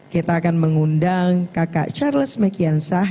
kita akan mengundang kakak charles mekiansah